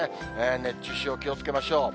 熱中症、気をつけましょう。